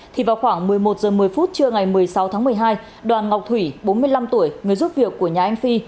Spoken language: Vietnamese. thì vào khoảng một mươi một h một mươi trưa ngày một mươi sáu tháng một mươi hai đoàn ngọc thủy bốn mươi năm tuổi